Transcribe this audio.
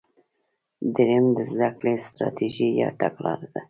دریم د زده کړې ستراتیژي یا تګلاره ده.